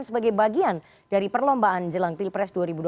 sebagai bagian dari perlombaan jelang pilpres dua ribu dua puluh